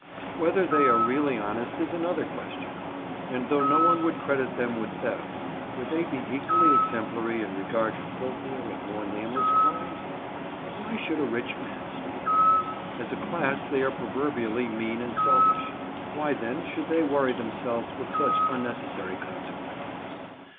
Whether they are really honest is another question, and though no one would credit them with theft, would they be equally exemplary in regard to filthier and more nameless crimes? Why should a rich man steal? As a class they are proverbially mean and selfish. Why, then, should they worry themselves with such unnecessary consequences?